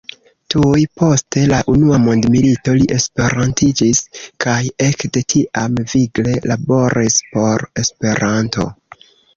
Tuj post la unua mondmilito li esperantiĝis, kaj ekde tiam vigle laboris por Esperanto.